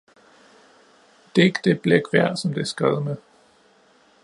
Det er ikke det blæk værd, som det er skrevet med.